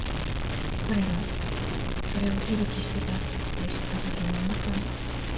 彼がそれを手引きしてたって知った時に思ったの。